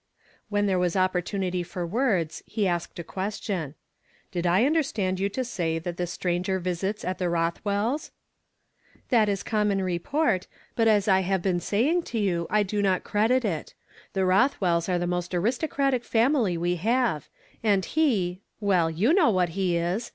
I w "THEN there was opportunity for words, he asked a question. " Did I understand you to say that this stranger visits at the Rothwells' ?"" That is common report ; but as I have been saying to you, I do not credit it. The Rothwells are the most aristocratic family we have ; and he — well, you know what he is.